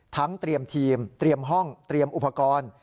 เตรียมทีมเตรียมห้องเตรียมอุปกรณ์